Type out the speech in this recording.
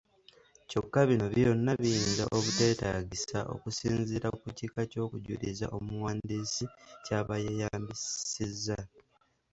Kyokka bino byonna biyinza obuteetaagisa okusinziira ku kika ky’okujuliza omuwandiisi ky'aba yeeyambisizza.